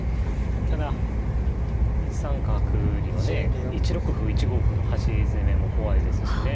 ただ１三角にはね１六歩１五歩の端攻めも怖いですしね。